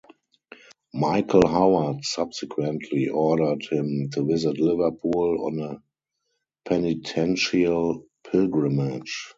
Michael Howard subsequently ordered him to visit Liverpool on a "penitential pilgrimage".